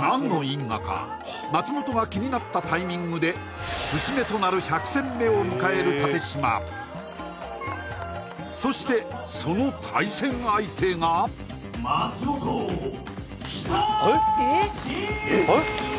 何の因果か松本が気になったタイミングで節目となる１００戦目を迎える立嶋そしてそのえっえっ！？